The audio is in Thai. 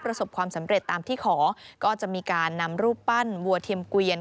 ประสบความสำเร็จตามที่ขอก็จะมีการนำรูปปั้นวัวเทียมเกวียน